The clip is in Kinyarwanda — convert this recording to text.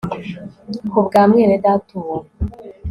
ku bwa mwene data uwo